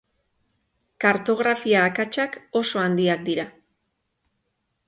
Kartografia akatsak oso handiak dira.